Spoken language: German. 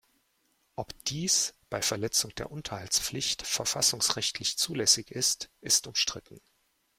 Ob dies bei Verletzung der Unterhaltspflicht verfassungsrechtlich zulässig ist, ist umstritten.